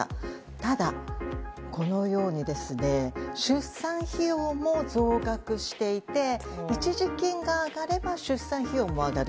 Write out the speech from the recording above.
ただ、このように出産費用も増額していて一時金が上がれば出産費用も上がる。